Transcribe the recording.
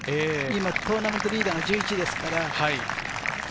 今トーナメントリーダーが１１ですから。